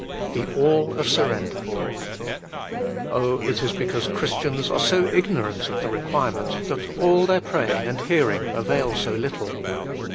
The All of surrender : it is because Christians are so ignorant of the requirement that all their praying and hearing avail so little.